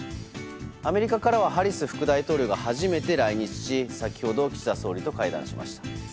アメリカからはハリス副大統領が初めて来日し先程、岸田総理と会談しました。